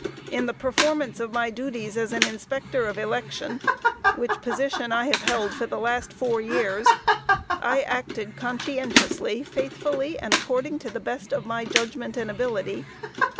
In the performance of my duties as an inspector of election, which position I have held for the last four years, I acted conscientiously, faithfully and according to the best of my judgment and ability.